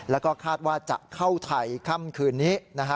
แล้วก็คาดว่าจะเข้าไทยค่ำคืนนี้